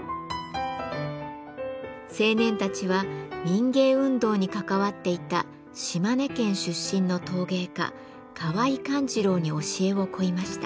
青年たちは民藝運動に関わっていた島根県出身の陶芸家河井寛次郎に教えを請いました。